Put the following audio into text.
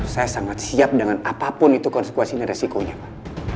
saya sangat siap dengan apapun itu konsekuensi dan resikonya pak